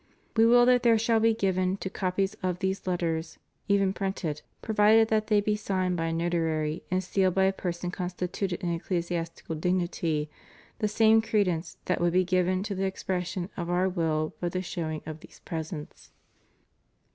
We will that there shall be given to copies of these Lettera, even printed, provided that they be signed by a notary and sealed by a person constituted in ecclesiastical dignity, the same credence that would be given to the expression of Our will by the showing of these present*.